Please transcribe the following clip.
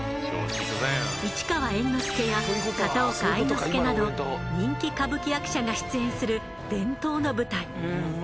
市川猿之助や片岡愛之助など人気歌舞伎役者が出演する伝統の舞台。